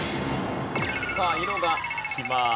さあ色が付きます。